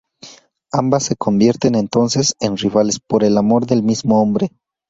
Ambas se convierten entonces en rivales por el amor del mismo hombre.